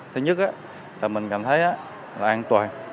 thứ nhất là mình cảm thấy là an toàn